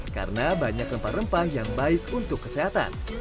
karena banyak rempah rempah yang baik untuk kesehatan